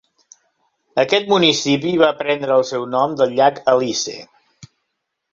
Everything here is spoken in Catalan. Aquest municipi va prendre el seu nom del llac Alice.